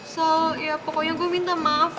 sal ya pokoknya gue minta maaf deh